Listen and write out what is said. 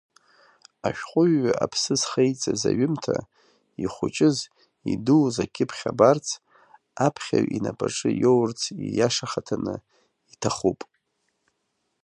Ашәҟәыҩҩы аԥсы зхеиҵаз аҩымҭа, ихәыҷыз, идуз акьыԥхь абарц, аԥхьаҩ инапаҿы иоурц ииашахаҭаны иҭахуп.